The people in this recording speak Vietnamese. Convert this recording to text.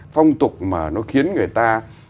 phong tục mà nó khiến người ta